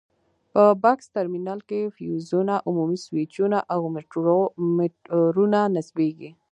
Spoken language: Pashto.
په بکس ترمینل کې فیوزونه، عمومي سویچونه او میټرونه نصبېږي.